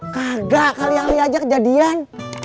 kagak kali kali aja kejadian